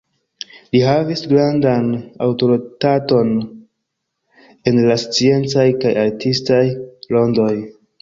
Li havis grandan aŭtoritaton en la sciencaj kaj artistaj rondoj.